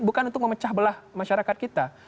bukan untuk memecah belah masyarakat kita